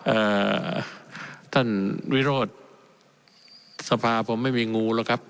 เอ่อท่านวิโรธสภาผมไม่มีงูหรอกครับ